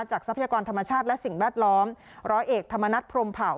ทรัพยากรธรรมชาติและสิ่งแวดล้อมร้อยเอกธรรมนัฐพรมเผ่า